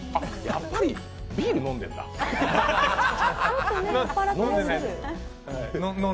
やっぱりビール飲んでんな？